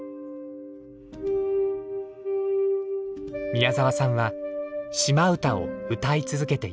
宮沢さんは「島唄」を歌い続けています。